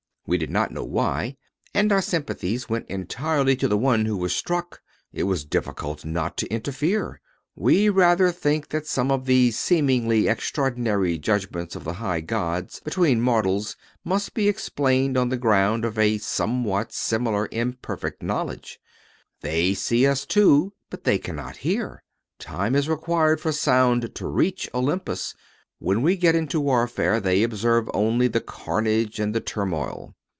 We did not know why and our sympathies went entirely to the one who was struck. It was difficult not to interfere. We rather think that some of the seemingly extraordinary judgments of the high gods between mortals must be explained on the ground of a somewhat similar imperfect knowledge. They too see us, but they cannot hear. Time is required for sound to reach Olympus. When we get into warfare they observe only the carnage and the turmoil.